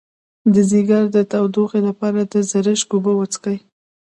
د ځیګر د تودوخې لپاره د زرشک اوبه وڅښئ